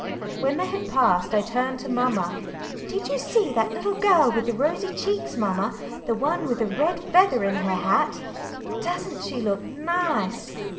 When they had passed I turned to mamma. "Did you see that little girl with the rosy cheeks, mamma? The one with a red feather in her hat. Doesn't she look nice?"